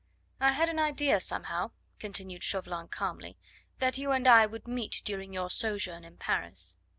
"I had an idea, somehow," continued Chauvelin calmly, "that you and I would meet during your sojourn in Paris.